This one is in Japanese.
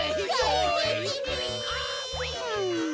うん？